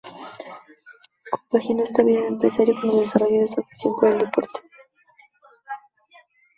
Compaginó esta vida de empresario con el desarrollo de su afición por el deporte.